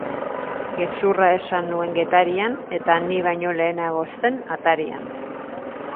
Gezurra esan nuen Getarian eta ni baino lehenago zen atarian.